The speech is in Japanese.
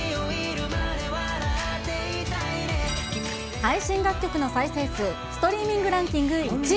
配信楽曲の再生数、ストリーミングランキング１位、